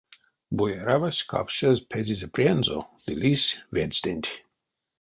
Бояравась капшазь пезызе прянзо ды лиссь ведьстэнть.